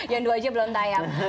yang dua aja belum tayang